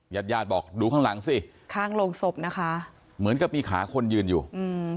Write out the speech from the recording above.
ญาติญาติบอกดูข้างหลังสิข้างโรงศพนะคะเหมือนกับมีขาคนยืนอยู่อืม